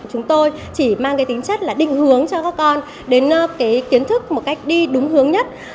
chúng tôi chỉ mang cái tính chất là định hướng cho các con đến cái kiến thức một cách đi đúng hướng nhất